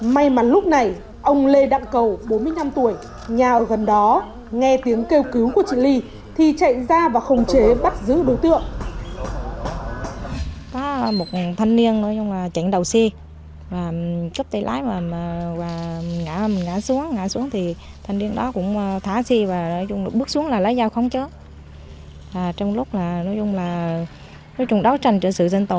may mắn lúc này ông lê đặng cầu bốn mươi năm tuổi nhà ở gần đó nghe tiếng kêu cứu của chị ly thì chạy ra và khổng chế bắt giữ đối tượng